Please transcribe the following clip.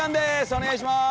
お願いします。